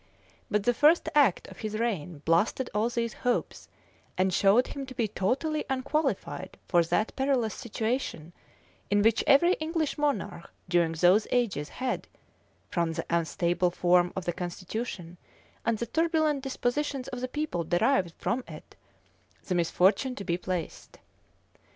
But the first act of his reign blasted all these hopes, and showed him to be totally unqualified for that perilous situation in which every English monarch during those ages had, from the unstable form of the constitution, and the turbulent dispositions of the people derived from it, the misfortune to be placed.